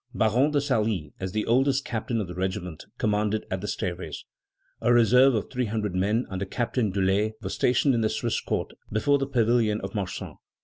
Baron de Salis, as the oldest captain of the regiment, commanded at the stairways. A reserve of three hundred men, under Captain Durler, was stationed in the Swiss Court, before the Pavilion of Marsan.